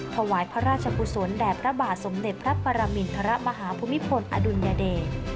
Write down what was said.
ถวายพระราชกุศลแด่พระบาทสมเด็จพระปรมินทรมาฮภูมิพลอดุลยเดช